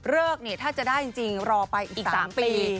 เลิกนี่ถ้าจะได้จริงรอไปอีก๓ปี